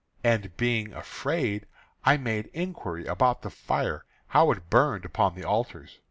And being afraid, I made inquiry about the fire, how it burned upon the altars.